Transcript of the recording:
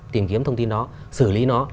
tìm kiếm thông tin đó xử lý nó